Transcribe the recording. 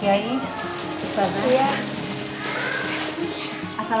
ya terima kasih